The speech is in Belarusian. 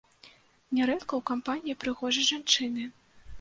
Нярэдка ў кампаніі прыгожай жанчыны.